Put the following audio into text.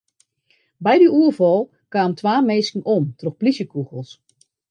By dy oerfal kamen twa minsken om troch plysjekûgels.